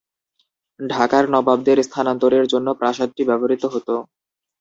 ঢাকার নবাবদের স্থানান্তরের জন্য প্রাসাদটি ব্যবহৃত হতো।